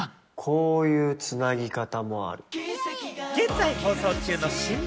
こういうつなぎ方もある。